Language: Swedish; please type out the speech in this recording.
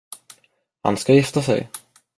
Han ska gifta sig!